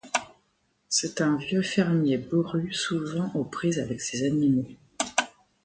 C'est un vieux fermier bourru souvent aux prises avec ses animaux.